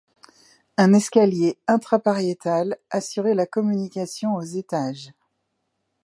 Un escalier intrapariétal assurait la communication aux étages.